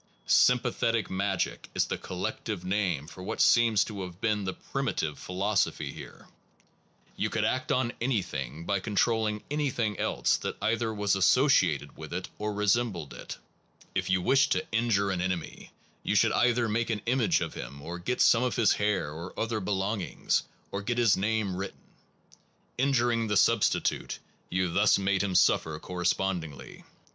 Sympathetic magic* is the collective name for what seems to have been the primitive philosophy here. You could act on anything by controlling anything else that either was associated with it or resembled it. If you wished to injure an enemy, you should either make an image of him, or get some of his hair or other belongings, or get his name written. Injuring the substitute, you thus made him suffer correspondingly.